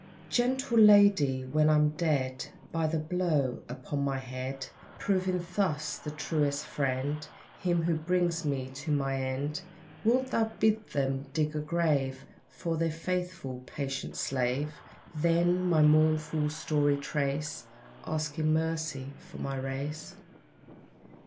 Gentle lady, when I'm dead By the blow upon my head, Proving thus, the truest friend, Him who brings me to my end; Wilt thou bid them dig a grave For their faithful, patient slave; Then, my mournful story trace, Asking mercy for my race?